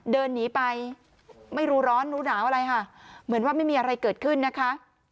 เดินหนีไปไม่รู้ร้อนรู้หนาวอะไรค่ะเหมือนว่าไม่มีอะไรเกิดขึ้นนะคะ